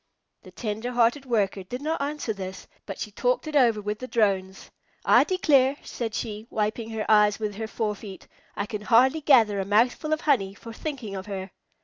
The tender hearted Worker did not answer this, but she talked it over with the Drones. "I declare," said she, wiping her eyes with her forefeet, "I can hardly gather a mouthful of honey for thinking of her."